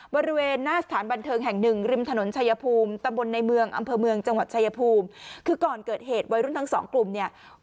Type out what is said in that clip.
บริเวณหน้าสถานบันเทิงแห่งหนึ่งริมถนนชายภูมิตำบลในเมืองอำเภอเมืองจังหวัดชายภูมิคือก่อนเกิดเหตุวัยรุ่นทั้งสองกลุ่มเนี่ย